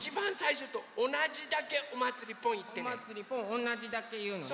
おなじだけいうのね。